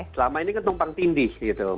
selama ini ketumpang tindih